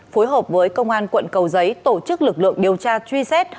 phối hợp với công an quận cầu giấy tổ chức lực lượng điều tra truy xét